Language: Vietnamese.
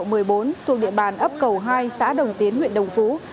thuộc địa bàn ấp cầu hai xã đồng tiến huyện đồng phú